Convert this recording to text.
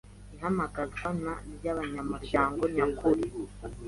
ihamagazwa na cy abanyamuryango nyakuri